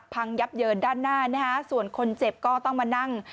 พังยับเยินด้านหน้านะฮะส่วนคนเจ็บก็ต้องมานั่ง